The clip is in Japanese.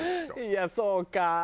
いやそうか。